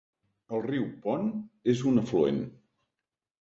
El riu Pont és un afluent.